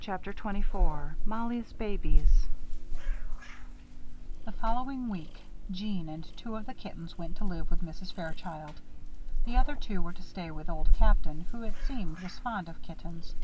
CHAPTER XXIV MOLLIE'S BABIES The following week, Jeanne and two of the kittens went to live with Mrs. Fairchild. The other two were to stay with Old Captain, who, it seemed, was fond of kittens.